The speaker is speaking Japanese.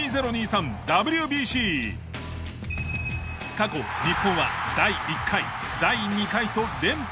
過去日本は第１回第２回と連覇を達成。